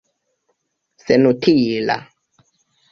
senutila